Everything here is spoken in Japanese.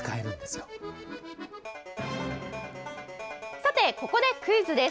さて、ここでクイズです。